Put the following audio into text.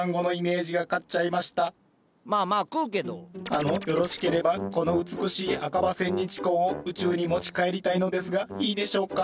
あのよろしければこの美しい赤葉千日紅を宇宙に持ち帰りたいのですがいいでしょうか？